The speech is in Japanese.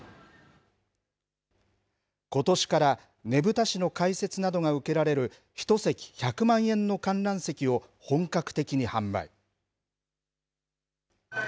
ことしから、ねぶた師の解説などが受けられる１席１００万円の観覧席を本格的に販売。